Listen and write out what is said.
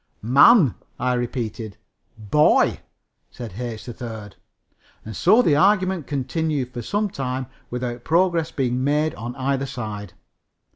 "Man," I repeated. "Boy," said H. 3rd. And so the argument continued for some time without progress being made by either side.